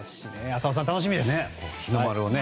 浅尾さん、楽しみです。